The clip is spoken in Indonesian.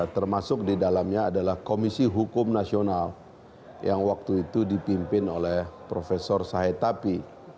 termasuk di dalamnya adalah komisi hukum nasional yang waktu itu dipimpin oleh profesor sahetapi